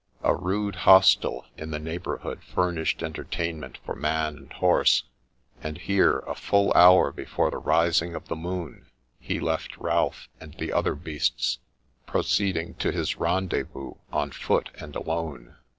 A rude hostel in the neighbourhood furnished entertainment for man and horse ; and here, a full hour before the rising of the moon, he left Ralph and the other beasts, proceeding to his rendezvous on foot and alone.